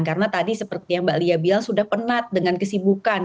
karena tadi seperti yang mbak lia bilang sudah penat dengan kesibukan